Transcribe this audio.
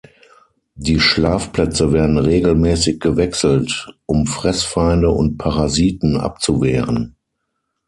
Die Schlafplätze werden regelmäßig gewechselt, um Fressfeinde und Parasiten abzuwehren.